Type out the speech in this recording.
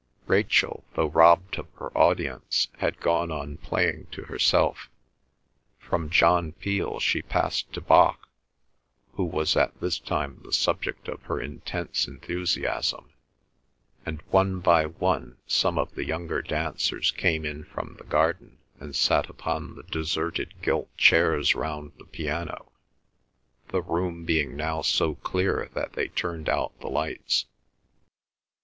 Rachel, though robbed of her audience, had gone on playing to herself. From John Peel she passed to Bach, who was at this time the subject of her intense enthusiasm, and one by one some of the younger dancers came in from the garden and sat upon the deserted gilt chairs round the piano, the room being now so clear that they turned out the lights.